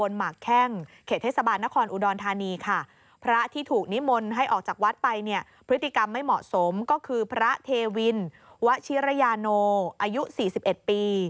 และมีภาพที่ไม่เหมาะสมก็คือพระเทวินวชิรญานูอายุ๔๑ปี